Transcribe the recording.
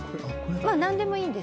まあ何でもいいんです。